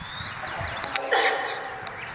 এখন বলুন তো এদেরকে কীভাবে শায়েস্তা করব?